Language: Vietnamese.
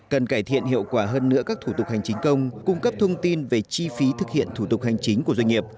cần cải thiện hiệu quả hơn nữa các thủ tục hành chính công cung cấp thông tin về chi phí thực hiện thủ tục hành chính của doanh nghiệp